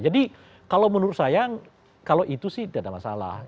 kalau menurut saya kalau itu sih tidak ada masalah